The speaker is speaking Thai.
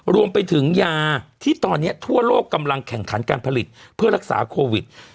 รวมไปถึงยาที่ตอนนี้ทั่วโลกกำลังแข่งขันการผลิตเพื่อรักษาโควิด